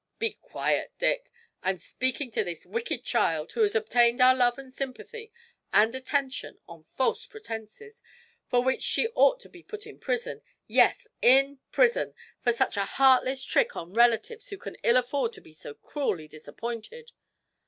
'Be quiet, Dick! I'm speaking to this wicked child, who has obtained our love and sympathy and attention on false pretences, for which she ought to be put in prison yes, in prison, for such a heartless trick on relatives who can ill afford to be so cruelly disappointed!'